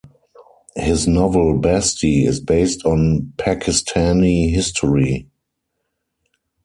His novel "Basti" is based on Pakistani history.